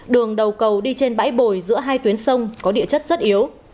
đường đầu cầu đi trên bãi bồi giữa hai tuyến sông có địa chất rất yếu